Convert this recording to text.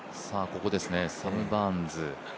サム・バーンズ。